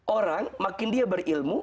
orang makin dia berilmu